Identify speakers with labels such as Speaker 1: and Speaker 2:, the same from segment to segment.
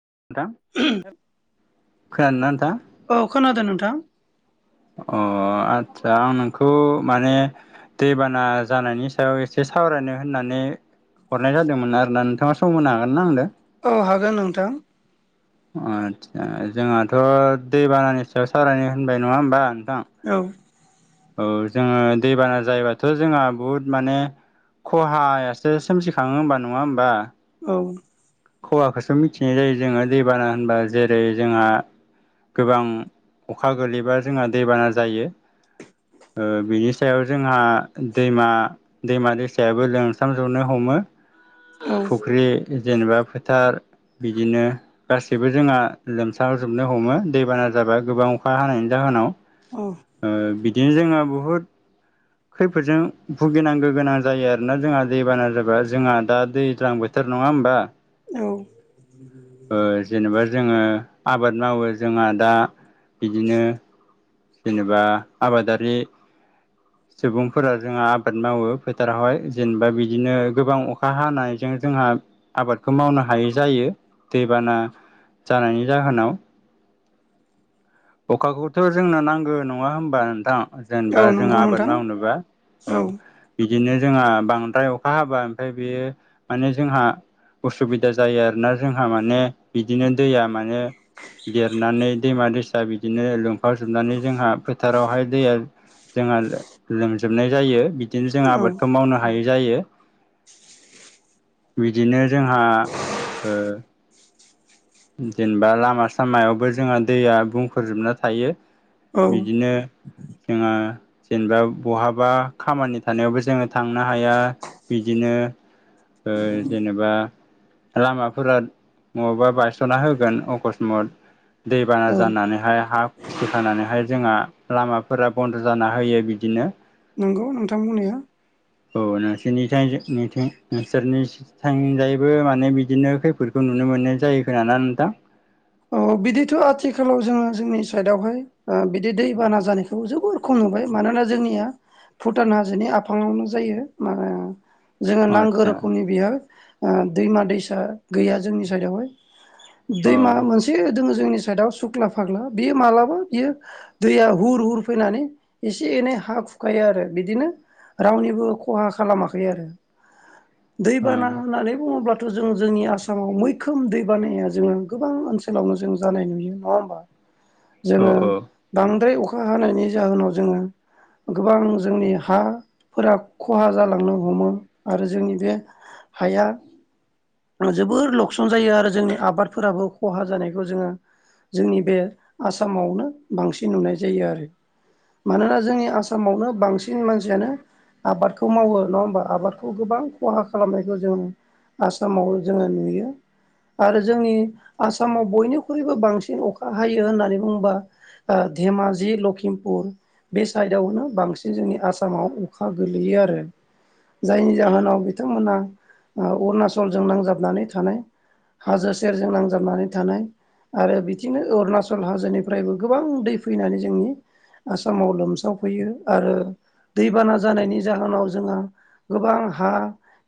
Speaker 1: नोंथां खोनादोंना नोंथां
Speaker 2: औ खोनादों नोंथां
Speaker 1: अ आदसा आं नोंखौ माने दैबाना जानायनि सायाव एसे सावरायनो होननानै हरनाय जादोमोन आरोना नोंथाङा सम होनो हागोनना आंदो?
Speaker 2: औ हागोन नोंथां
Speaker 1: आदसा जोंहाथ' दैबानानि सायाव सावरायनो होनबाय नङा होमबा नोंथां
Speaker 2: औ
Speaker 1: औ जोङो दैबाना जायोबाथ' जोंहा बुहुद माने खहायासो सोमजिखाङो होमबा नङा होमबा
Speaker 2: औ
Speaker 1: हौवाखोसो मिथिनाय जायो जोङो दैबाना होनबा जेरै जोंहा गोबां अखा गोलैबा जोंहा दैबाना जायो। ओ बिनि सायाव जोंहा दैमा दैमा दैसायाबो लोंमस्रां जोबनो हमो
Speaker 2: औ
Speaker 1: फुख्रि जेनेबा थार बिदिनो गासैबो जोंहा लोमसाव जोबनो हमो दैबाना जाबा गोबां अखा हानायनि जाहोनाव ओ बिदिनो जोङो बुहुद खैफोदजों भुगिनांगो गोनां जायो आरोना जोंहा दैबाना जाबा जोंहा दा दैज्लां बोथो नङा होमबा
Speaker 2: औ औ
Speaker 1: ओ जेनेबा जोङो आबाद मावो जोंहा दा बिदिनो जेनेबा आबादारि सुबुंफोरा जोंहा आबाद मावो फोथारावहाय जेनबा बिदिनो गोबां अखा हानायजों जोंहा आबादखौ मावनो हायै जायो दैबाना जानायनि जाहोनाव अखाखौथ' जोंनो नांगो नङा होमबा नोंथां
Speaker 2: औ
Speaker 1: जेनबा जोंहा
Speaker 2: नंगौ
Speaker 1: आबाद
Speaker 2: नोंथां
Speaker 1: मावनोबा औ बि दिनो जोंहा बांद्राय अखा हाबा ओमफाय बेयो माने जोंहा उसुबिदा जायो आरोना जोंहा माने बिदिनो दैया माने देरनानै दैमा दैसा बिदिनो लुमफावजोबनानै जोंहा फोथारावहाय दैया जोंहा लो लोंजोबनाय जायो बिद दिनो जों
Speaker 2: औ
Speaker 1: आबादखौ मावनो हायि जायो बिदिनो जोंहा ओ जेनबा लामा सामायावबो जोंहा दैया बुंख्रजोबना थायो।
Speaker 2: औ
Speaker 1: बिदिनो जोंहा जेनबा बहाबा खामानि थानायावबो जोङो थां ना हाया बिदिनो ओ जेनेबा लामाफोराद मबेबा बायस'ना होगोन अकस्मत दैबाना जानानैहाय हा गिसिखानानैहाय जोंहा लामाफोरा बन्द' जाना होयो बिदिनो
Speaker 2: नंगौ नोंथां बुंनाया
Speaker 1: औ नोंसोरनिथाय जों नोंथो नोंसोरनिज थांजायैबो माने बिदिनो खैफोदखौ नु नुनो मोननाय जायो खोनाना नोंथां?
Speaker 2: औ बिदिथ' आथिखालाव जोङो जोंनि साइदावहाय ओ बिदि दैबाना जानायखौ जोबोर खम नुबाय मानोना जोंनिया भुटान हाजोनि आफाङावनो जायो मा [unintelligible] जोङो नांगौ
Speaker 1: आदसा
Speaker 2: रोखोमनि बेयो दैमा दैसा गैया जोंनि साइडआवहाय दै
Speaker 1: अ
Speaker 2: मा जोंनि साइदआव सुख्ला फाग्ला बेयो मालाबा बियो दैया हुर हुर फैनानै एसे एसे एनै हा खुखायो आरो बिदिनो रावनिबो खहा खालामाखै आरो
Speaker 1: अ
Speaker 2: दैबाना होननानै बुङोब्लाथ' जों जोंनि आसामाव मैखोम दैबानाया जोङो गोबां ओ ओनसोलाव जों जानाय नुयो नङा होमबा
Speaker 1: औ
Speaker 2: जोङो
Speaker 1: औ
Speaker 2: बांद्राय अखा हानायनि जाहोनाव जोङो गोबां जोंनि हाफोरा खहा जालांनो हमो आरो जोंनि बे हाया जोबोर लकसान जायो आरो जोंनि आबादफोराबो खहा जानायखौ जोङो जोंनि बे आसामावनो बांसिन नुनाय जायो आरो मानोना
Speaker 1: औ
Speaker 2: जोंनि आसामावनो बांसिन मानसियानो आबादखौ मावो नङा हबा आबादखौ गोबां खहा खालामनायखौ जों आसामाव जोङो नुयो आरो जोंनि आसामाव बयनिख्रुइबो बांसिन अखा हायो होननानै बुङोबा धेमाजि लकिमपुर बे साइडआवनो बांसिन जोंनि आसामाव अखा गोल्लैयो आरो जायनि जाहोनाव बिथांमोनहा अरुणचल जों नांजाबनानै थानाय हाजो सेरजों नांजाब जाबनानै थानाय आरो बिदिनो अरुणचल हाजोनिफ्रायबो गोबां दै फैनानै जोंनि आसामाव लोमसावफैयो आरो दैबाना जानायनि जाहोनाव जोंहा गोबां हा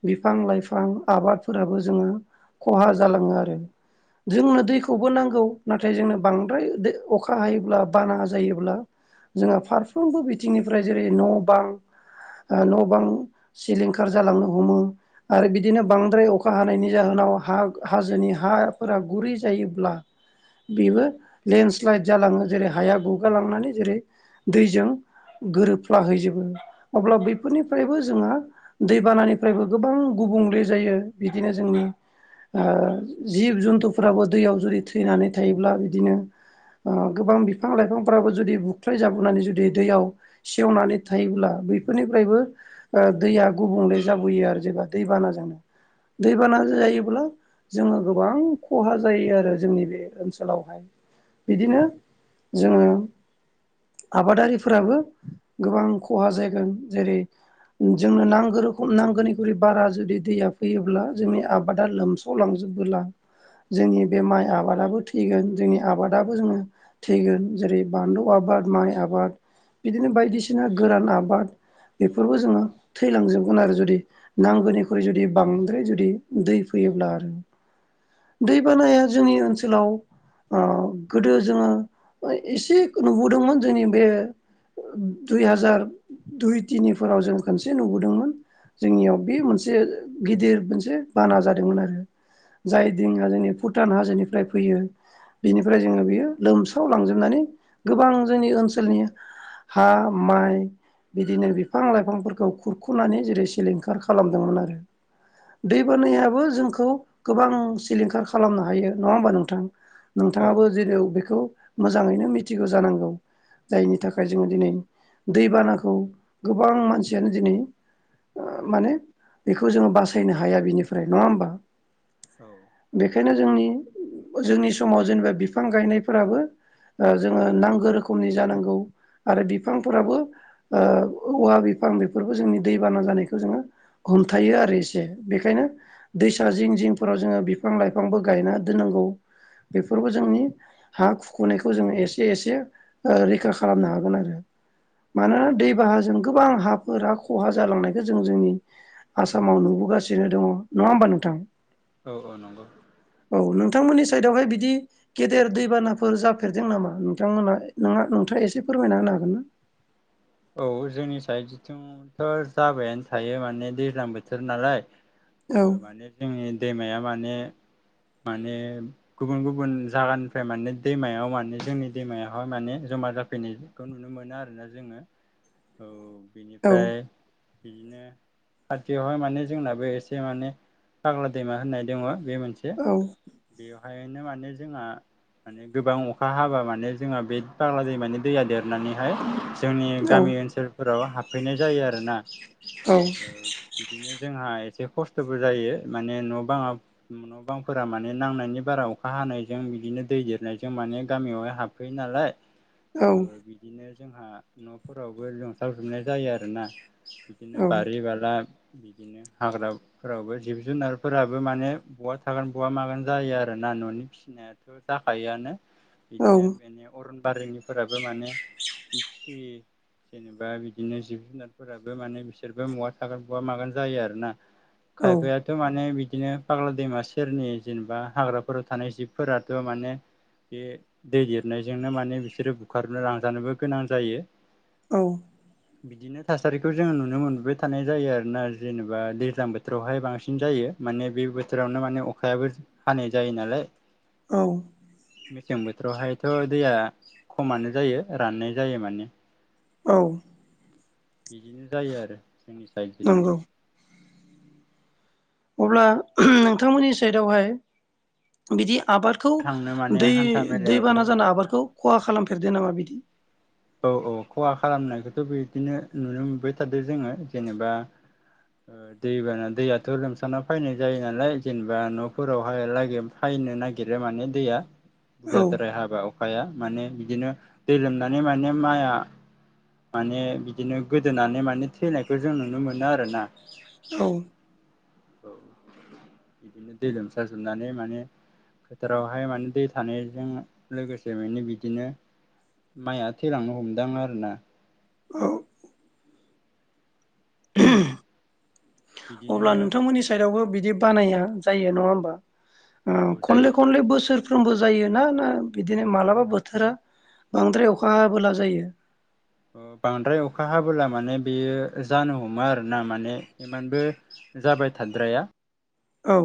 Speaker 2: बिफां लाइफां आबादफोराबो जोङो खहा जालाङो आरो जोंनो दैखौबो नांगौ नाथाय जोंनो बांद्राय अखा हायोब्ला बाना जायोब्ला जोंहा फारफ्रोमबो बिथिंनिफ्राय जेरै न' बां न' बां सिलिंखार जालांनो हमो आरो बिदिनो बांद्राय अखा हानायनि जाहोनाव हाजोनि हाफोरा गुरै जायोब्ला बेबो लेन्डस्लाइड जालाङो जेरै हाया गुगालांनानै जेरै दैजों गोरोबफ्ला हैैजोबो अब्ला बैफोरनिफ्रायबो जोंङहा दैबानानिफ्रायबो गोबां गुबुंले जायो बिदिनो जोंनि जिब जुन्थुफोराबो दैयाव जुदि थैनानै थायोब्ला बिदिनो गोबां बिफां लाइफांफ्राबो जुदि बुख्राय जाबोनानै जुदि दैयाव सेवनानै थायोब्ला बेफोरनिफ्रायबो दैया गुबुंले जाबोयो आरो जेबा दै बानाजोंनो दैबाना जायोब्ला जोङो गोबां खहा जायो आरो जोंनि बे ओनसोलावहाय बिदिनो जोङो आबादारिफोराबो गोबां खहा जागोन जेरै जोंनो नांगौ रोखोम नांगौनिख्रुइ बारा जुदि दैया फैयोब्ला जोंनि आबादा लोमसावलांजोब [unintelligible] जोंनि बे माइ आबादाबो थैगोन जोंनि आबादाबो जोङो थैगोन जेरै बानलु आबाद आबाद माइ आबाद बिदिनो बायदिसिना गोरान आबाद बेफोरबो जोङो थैलांजोबगोन आरो जुदि नांगौनिख्रुइ जुदि बांद्राय जुदि दै फैयो योब्ला आरो दैबानाया जोंनि ओनसोलाव गोदो जोङो एसे नुबोदोंमोन जोंनि बे दुइ हाजार दुइ तिनिफोराव जों खनसे नुबोदोंमोन जोंनियाव बे मोनसे गिदिर मोनसे बाना जादोंमोन आरो जाय दैआ जोंनि भुटान हाजोनिफ्राय फैयो बिनिफ्राय जोङो बियो लोमसाव लांजोबनानै गोबां जोंनि ओनसोलनि हा माइ बिदिनो बिफां लाइफांफोरखौ खुरखुनानै जेरै सिलिंखार खालामदोंमोन आरो दै बानायाबो जोंखौ गोबां सिलिंखार खालामनो हायो नङा होमबा नोंथां नोंथाङाबो जेन' बेखौ मोजाङैनो मिथिगौ जानांगौ जायनि थाखाय जोङो दिनै दैबानाखौ गोबां मानसियानो दिनै माने बेखौ जोङो बासायनो हाया बिनिफ्राय नङा होमबा।
Speaker 1: औ
Speaker 2: बेखायनो जोंनि जोंनि समाव जेनेबा बिफां गायनायफोराबो जोङो नांगौ रोखोमनि जानांगौ आरो बिफांफोराबो ओ औवा बिफां बेफोरबो जोंनि दैबाना जानायखौ जोङो हमथायो आरो एसे बेखायनो दैसा फिसा जिं जिंफोराव जोङो बिफां लाइफांबो गायना दोननांगौ बेफोरबो जोंनि हा खुखुनायखौ जोङो एसे एसे रैखा खालामनो हागोन आरो
Speaker 1: [inaudible]
Speaker 2: मानोना दै बाहाजों गोबां हाब फोर खहा जालांनायखौ जों जोंनि आसामाव नुबोगासिनो दङ नङा होमबा नोंथां
Speaker 1: औ औ नंगौ।
Speaker 2: साइदावहाय बिदि गेदेर दैबानाफोर जाफेरदों नामा नोंथांमोना न नोंथाङा एसे फोरमायना ना हागोनना
Speaker 1: [inaudible] औ जोंनि सायाव जिथुथ' जाबायानो थायो माने दैज्लां बोथोर नालाय
Speaker 2: औ
Speaker 1: माने जोंनि दैमाया माने माने गुबुन गुबुन जायगानिफ्राय माने दैमायाव माने जोंनि दैमायावहाय माने जमा जाफैनायखौ नुनो मोनो आरोना जोङो औ बेनिफ्राय
Speaker 2: औ
Speaker 1: बिदिनो खाथियावहाय माने जोंनाबो एसे माने फाग्ला दैमा होननाय दंङ बे मोनसे
Speaker 2: औ
Speaker 1: बेवहायनो माने जोंहा माने गोबां अखा हाबा माने जोंहा बे बाग्ला दै माने दैया देरनानैहाय जों
Speaker 2: औ
Speaker 1: गामि ओनसोलफोराव हाबफैनाय जायो आरोना बिदिनो जोंहा एसे खस्थ'बो जायो माने न' बा न' बांफोरा माने नांनायनि बारा अखा हानायजों बिदिनो बिनो दै देरनायजों माने गामियावहाय हाबफैयो नालाय ओ‌
Speaker 2: औ
Speaker 1: बिदिनो जोंहा न'फोरावबो लोमसाव जोबनाय जायो आरोना बिदिनो
Speaker 2: औ
Speaker 1: बारि बाला बिदिनो हाग्राफोरावबो जिब जुनारफोराबो माने बहा थागोन बहा मागोन जायो आरोना आ न'नि फिसिनायाथ' जाखायोआनो बिदिनो बे अरनबारिनिफोराबो माने फिसि जेनेबा बिदिनो जिब जुनारफोराबो माने बिसोरबो बा थागोन बहा मागोन जायो आरो ना खायफाया थ माने बि बिदिनो फाग्ला दैमा सेरनि जेनेबा हाग्राफोराव थानाय जिबफोराथ' माने बे दै देरनायजोंनो माने बिसोरो बुखारनो लांजानोबो गोनां जायो।
Speaker 2: औ।
Speaker 1: बिदिनो थासारिखौ जोङो नुनो मोनबाय थानाय जायो आरोना जेनेबा दैज्लां बोथोरावहाय बांसिन जायो। माने बे बोथोरावनो माने अखायाबो हानाय जायो नालाय
Speaker 2: औ
Speaker 1: मेसें बोथोरावहायथ' दैया खमानो जायो राननाय जायो माने
Speaker 2: औ।
Speaker 1: बिदिनो जायो आरो जोंनि
Speaker 2: नंगौ
Speaker 1: थिंजायबो
Speaker 2: अब्ला नोंथांमोननि साइदआवहाय बिदि आबादखौ
Speaker 1: थांनो माने
Speaker 2: दै
Speaker 1: हान्था मेलायावबो
Speaker 2: दैबाना जाना आबादखौ खहा खालामफेरदो नामा बिदि
Speaker 1: औ औ खहा खालामनायखौथ' बिदिनो नुनो मोनबाय थादो जोङो जेनेबा दैबाना दैयाथ' लोमसावना फैनाय जायो नालाय जेनोबा न'फोराव [unintelligible] माने दैया
Speaker 2: औ
Speaker 1: बुरजाद्राय हाबा अखाया माने बिदिनो दै लोमनानै माने माने माइआ माने बिदिनो गोदोनानै माने थैनायखौ जों नुनो मोनो आरोना।
Speaker 2: औ।
Speaker 1: औ बिदिनो दै लोमसारजोबनानै माने फोथारावहाय माने दै थानायजों लोगोसे माने बिदिनो। माइया थैेलांनो हमदों आरो ना।
Speaker 2: औ। अब्ला
Speaker 1: बिदिनो
Speaker 2: नोंथांमोननि साइदआवबो बिदि बानाया जायो नङा होनबा।
Speaker 1: औ औ
Speaker 2: खनले
Speaker 1: जायो
Speaker 2: खनले बोसोर फ्रोमबो जायो ना, ना बिदिनो माब्लाबा बोथोरा बांद्राय
Speaker 1: औ
Speaker 2: अखाबोला जायो।
Speaker 1: औ बांद्राय अखा हाब्ला माने बेयो जानो हमो आरोना माने इमानबो जाबाय। थाद्राया।
Speaker 2: औ।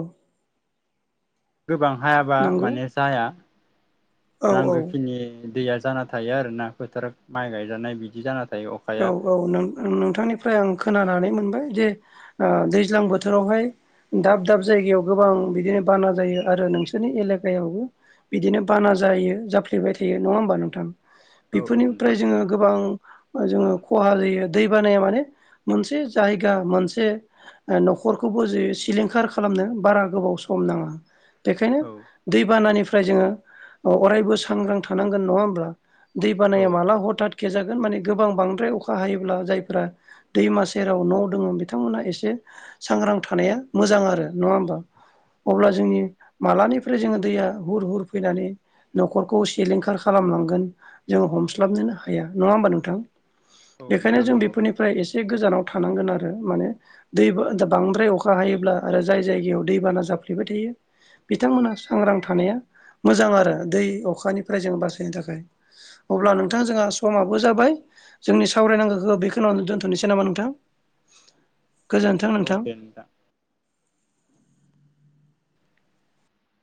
Speaker 1: गोबां हायाब्ला
Speaker 2: नंगौ
Speaker 1: माने जाया
Speaker 2: औ औ
Speaker 1: नांगौ खिनि दैया जाना थायो आरो ना फोथार माइ गायजानाय बिदि जाना थायो।
Speaker 2: औ
Speaker 1: अखाया
Speaker 2: औ नोंथांनिफ्राय आं खोनानानै मोनबाय जे दैज्लां बोथोरावहाय दाब दाब जायगायाव गोबां बिदिनो बाना जायो आरो नोंसोरनि एलेखायावबो बिदिनो बाना जायो जाफ्लेबाय थायो नङा होमबा नोंथां
Speaker 1: औ औ
Speaker 2: बेफोरनिफ्राय
Speaker 1: नोंथां
Speaker 2: जोङो गोबां जोङो खहा जायो दै बानाया माने मोनसे जायगा मोनसे न'खरखौबो जे सिलिंखार खालामनो बारा गोबाव सम। नाङा। बेखायनो
Speaker 1: औ
Speaker 2: दैबानानिफ्राय जोङो अरायबो सांग्रां थानांगोन नङा होमब्ला। दै
Speaker 1: औ
Speaker 2: बानाया माला हथाथ खे जागोन माने गोबां बांद्राय अखा हायोब्ला जायफ्रा दैमा सेराव न' दङ बिथांमोना एसे सांग्रां थानाया मोजां आरो नङा होमबा
Speaker 1: औ
Speaker 2: अब्ला
Speaker 1: औ
Speaker 2: जोंनि मालानिफ्राय जोंखौ दैया हुर हुर फैनानै न'खरखौ सिलिंखार खालामलांगोन जोङो हमस्लाबनो हाया नङा होनबा नोंथां, बेनिखायनो
Speaker 1: नोंथां
Speaker 2: जों
Speaker 1: नंगौ
Speaker 2: बेफोरनिफ्राय एसे गोजानाव थानांगोन आरो माने दै बांद्राय अखा हायोब्ला आरो जाय जायगायाव दैबाना। जाफ्लेबाय थायो बिथांमोना सांग्रां थानाया। मोजां आरो दै अखानिफ्राय जों बासायनो थाखाय अब्ला
Speaker 1: औ
Speaker 2: नोंथां जोंहा समाबो जाबाय। जोंनि सावरायनांगौखौ बेखिनियावनो दोनथ'नोसै नामा नोंथां? गोजोन्थों
Speaker 1: औ
Speaker 2: नोंथां।
Speaker 1: दे